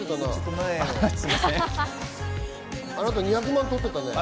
あなた、２００万取ってたよね。